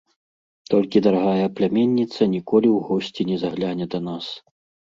Толькі дарагая пляменніца ніколі ў госці не загляне да нас.